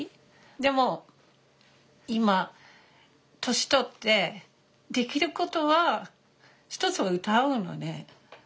でも今年取ってできることは一つは歌うのね。